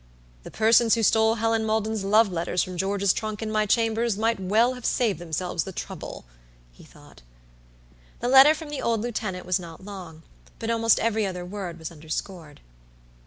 "The persons who stole Helen Maldon's love letters from George's trunk in my chambers might have saved themselves the trouble," he thought. The letter from the old lieutenant was not long, but almost every other word was underscored.